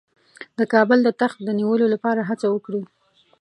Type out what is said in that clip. د کابل د تخت د نیولو لپاره هڅه وکړي.